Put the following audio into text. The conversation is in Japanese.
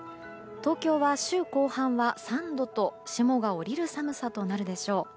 東京は週後半は３度と霜が降りる寒さとなるでしょう。